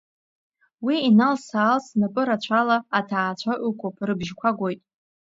Уи иналас-аалас напы рацәала, аҭаацәа ықәуп, рыбжьқәа гоит.